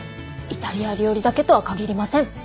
イタリア料理だけとは限りません！